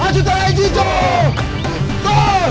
ayo taruh lagi cuk